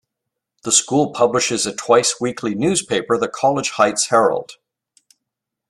The school publishes a twice-weekly newspaper, the College Heights Herald.